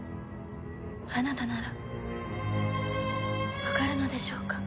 あなたならわかるのでしょうか？